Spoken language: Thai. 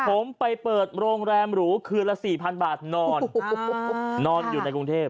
ผมไปเปิดโรงแรมหรูคืนละ๔๐๐๐บาทนอนนอนอยู่ในกรุงเทพ